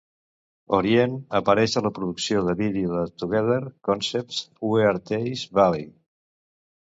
Orient apareix a la producció de vídeo de Together Concepts "We Are..Teays Valley".